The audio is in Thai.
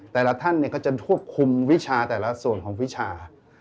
แต่ละท่านก็จะควบคุมวิชาแต่ละส่วนของวิชา